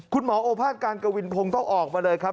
โอภาษการกวินพงศ์ต้องออกมาเลยครับ